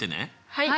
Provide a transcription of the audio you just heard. はい。